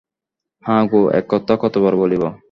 হাঁ গো, এক কথা কতবার বলিব!